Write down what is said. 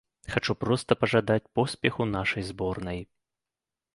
Хачу проста пажадаць поспеху нашай зборнай.